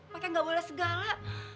pake nggak boleh segala